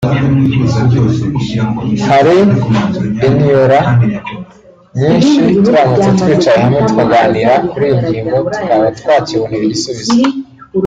hari iniora nyinshi turamutse twicaye hamwe tukaganira kuri iyi ngingo tukaba twakibonera igisubizo